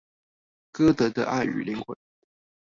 歌德的愛與靈魂